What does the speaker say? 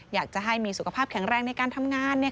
อยากจะให้มีสุขภาพแข็งแรงในการทำงาน